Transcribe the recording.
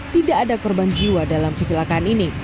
tidak ada korban jiwa dalam kecelakaan ini